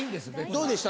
どうでした？